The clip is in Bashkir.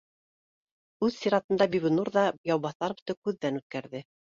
Үҙ сиратында Бибинур ҙа Яубаҫаровты күҙҙән үткәрҙе